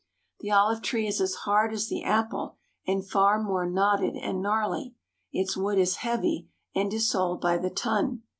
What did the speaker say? The olive tree is as hard as the apple and far more knotted and gnarly. Its wood is heavy and is sold by the ton.